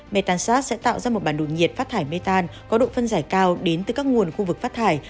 metansat sẽ tạo ra một bản đồ nhiệt phát thải metan có độ phân giải cao đến từ các nguồn khu vực phát thải